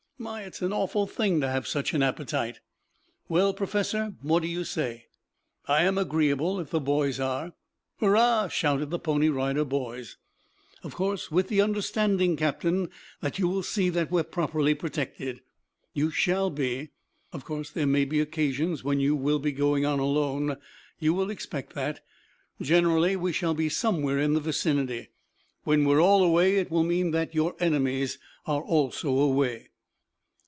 My, it's an awful thing to have such an appetite." "Well, Professor, what do you say?" "I am agreeable, if the boys are." "Hurrah!" shouted the Pony Rider Boys. "Of course, with the understanding, Captain, that you will see that we are properly protected?" "You shall be. Of course there may be occasions when you will be going on alone. You will expect that. Generally we shall be somewhere in the vicinity. When we are all away it will mean that your enemies are also away."